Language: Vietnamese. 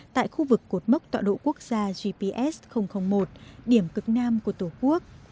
tại khu vực cột mốc tọa độ quốc gia gps một điểm cực nam của tổ quốc